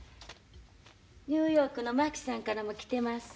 ニューヨークの真紀さんからも来てまっせ。